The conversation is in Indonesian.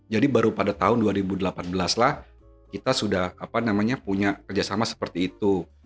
jadi baru pada tahun dua ribu delapan belas lah kita sudah punya kerjasama seperti itu